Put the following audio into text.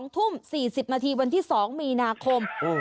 ๒ทุ่ม๔๐นาทีวันที่๒มีนาคม